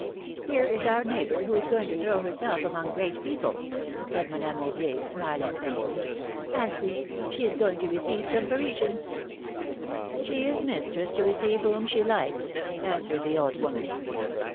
'^Here is our neighbor, who is going to throw her self among great people," said Madame Aubier, smiling faintly. Fancy ! she is going to receive some Paris ians !"'' She is mistress to receive whom she likes," answered the old woman.